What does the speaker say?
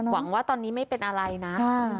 หวังว่าตอนนี้ไม่เป็นอะไรนะ